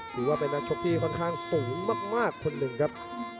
ถือว่าเป็นนักชกที่ค่อนข้างสูงมากคนหนึ่งครับ